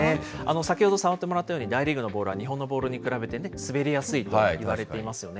先ほど触ってもらったように、大リーグのボールは日本のボールに比べて滑りやすいといわれていますよね。